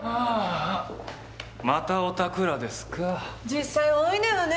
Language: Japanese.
実際多いのよね。